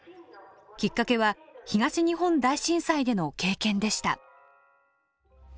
きっかけは東日本大震災での経験でした。